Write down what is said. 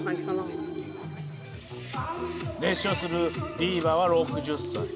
熱唱するディーヴァは６０歳。